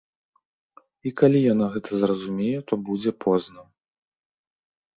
І калі яна гэта зразумее, то будзе позна.